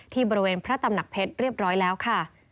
ที่บริเวณพระตำหนักเพชรเรียบร้อยแล้วค่ะ